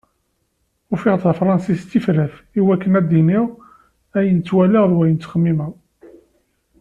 Ufiɣ-d tafransist d tifrat i wakken ad d-iniɣ ayen ttwaliɣ d wayen txemmimeɣ.